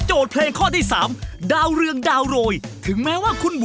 หมายเลข๕นะครับ